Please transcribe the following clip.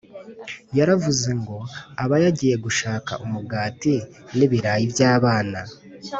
Yaravuze ngo aba yagiye gushaka umugati nibirayi byabana